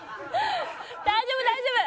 大丈夫大丈夫。